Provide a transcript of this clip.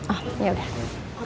oh ya udah